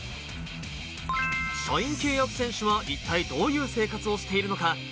社員契約選手は一体どういう生活をしているのか？